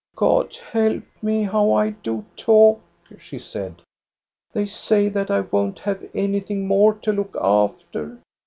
" God help me, how I do talk !" she said ;" they say that I won't have anything more to look after.